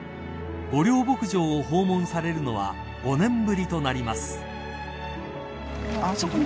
［御料牧場を訪問されるのは５年ぶりとなります］